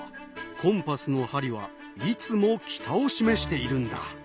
コンパスの針はいつも北を示しているんだ。